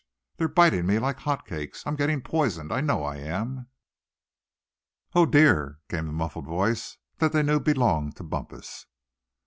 they're biting me like hot cakes! I'm getting poisoned, I know I am! Oh! dear!" came the muffled voice that they knew belonged to Bumpus.